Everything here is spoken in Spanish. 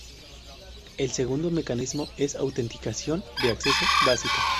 El segundo mecanismo es Autenticación de acceso básica.